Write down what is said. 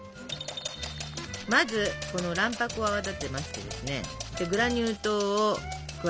まずこの卵白を泡立てましてですねで